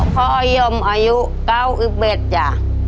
พ่อยมอายุ๙๑จ้ะ